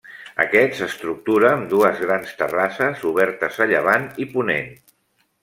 Aquest s'estructura amb dues grans terrasses obertes a llevant i ponent.